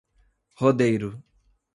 Rodeiro